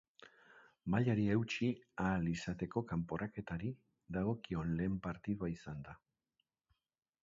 Mailari eutsi ahal izateko kanporaketari dagokion lehen partidua izan da.